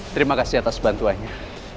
terima kasih atas bantuanya